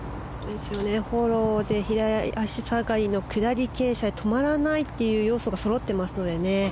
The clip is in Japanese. フォローで左足下がりの下り傾斜止まらないという要素がそろってますのでね。